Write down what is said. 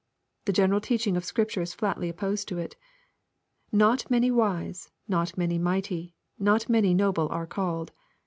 The general teaching of Scripture is flatly opposed to it. '*Not many wise, not many mighty, not many noble are called."